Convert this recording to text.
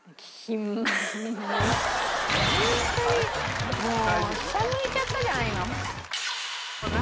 ホントにもう下向いちゃったじゃない。